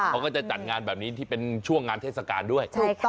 เขาก็จะจัดงานแบบนี้ที่เป็นช่วงงานเทศกาลด้วย